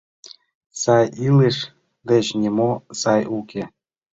Сай илыш деч нимо сай уке!